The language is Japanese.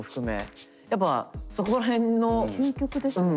究極ですね本当。